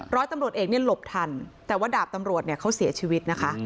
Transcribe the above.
ร้อยตำรวจเอกเนี่ยหลบทันแต่ว่าดาบตำรวจเนี่ยเขาเสียชีวิตนะคะ